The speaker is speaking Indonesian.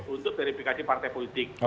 untuk verifikasi partai politik